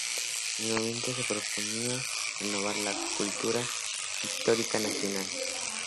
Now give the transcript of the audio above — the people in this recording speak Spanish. El movimiento se proponía renovar la cultura pictórica nacional.